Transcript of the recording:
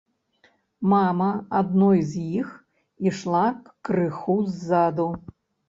Мама адной з іх ішла крыху ззаду.